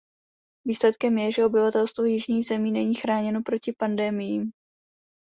Výsledkem je, že obyvatelstvo jižních zemí není chráněno proti pandemiím.